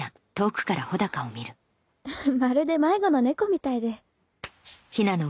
フフッまるで迷子の猫みたいで